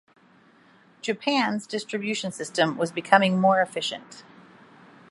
Japan's distribution system was becoming more efficient.